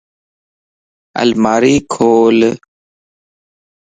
الماري کول